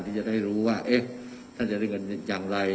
ที่จะได้รู้ว่าท่านจะได้เงินอย่างไร